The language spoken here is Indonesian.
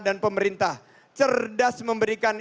dan pemerintah cerdas memberikan